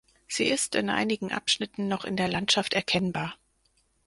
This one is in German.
Sie ist in einigen Abschnitten noch in der Landschaft erkennbar.